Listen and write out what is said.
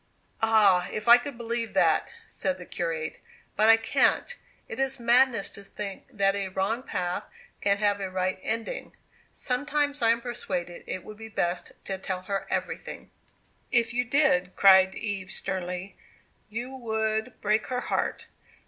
"Ah, if I could believe that!" said the curate. "But I can't. It is madness to think that a wrong path can have a right ending. Sometimes I am persuaded it would be best to tell her everything." "If you did," cried Eve, sternly, "you would break her heart.